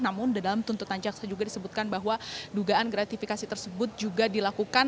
namun dalam tuntutan jaksa juga disebutkan bahwa dugaan gratifikasi tersebut juga dilakukan